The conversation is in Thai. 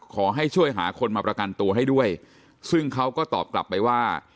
ขอให้ช่วยหาคนมาประกันตัวให้ด้วยซึ่งเขาก็ตอบกลับไปว่า